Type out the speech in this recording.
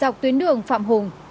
dọc tuyến đường phạm hùng